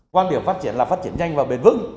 quan điểm phát triển là phát triển nhanh và bền vững